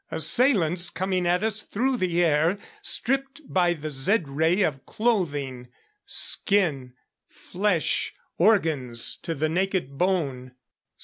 Assailants coming at us through the air, stripped by the Zed ray of clothing, skin, flesh, organs, to the naked bone.